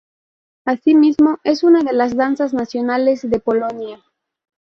Asimismo, es una de las danzas nacionales de Polonia.